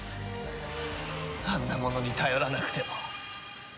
あんなものに頼らなくても。